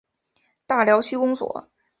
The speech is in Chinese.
大寮区公所